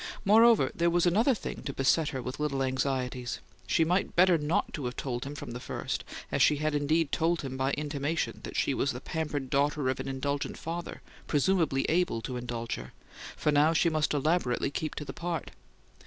Moreover, there was another thing to beset her with little anxieties: she might better not have told him from the first, as she had indeed told him by intimation, that she was the pampered daughter of an indulgent father, presumably able to indulge her; for now she must elaborately keep to the part.